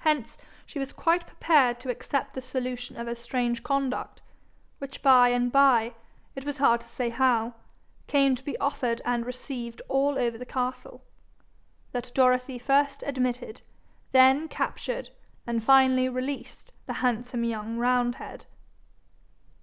Hence she was quite prepared to accept the solution of her strange conduct, which by and by, it was hard to say how, came to be offered and received all over the castle that Dorothy first admitted, then captured, and finally released the handsome young roundhead.